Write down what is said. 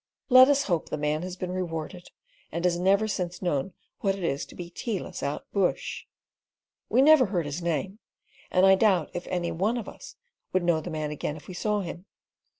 Let us hope the man has been rewarded, and has never since known what it is to be tealess out bush! We never heard his name, and I doubt if any one of us would know the man again if we saw him.